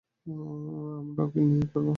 আমরা উকিল নিয়োগ করব?